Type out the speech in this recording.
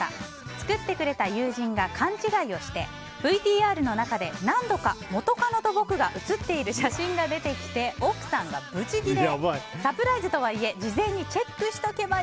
作ってくれた友人が勘違いをしてＶＴＲの中で何度か元カノと僕が写っている写真が出てきて奥さんがブチギレ。